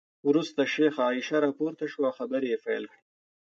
وروسته شیخه عایشه راپورته شوه او خبرې یې پیل کړې.